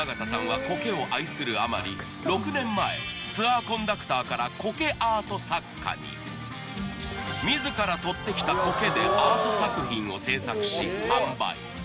山縣さんは６年前ツアーコンダクターからコケアート作家に自ら採ってきたコケでアート作品を制作し販売